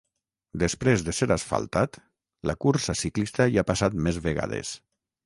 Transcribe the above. Després de ser asfaltat, la cursa ciclista hi ha passat més vegades.